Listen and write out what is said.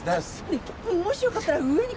ねっもしよかったら上に来ない？